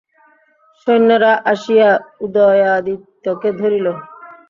সৈন্যেরা আসিয়া উদয়াদিত্যকে ধরিল।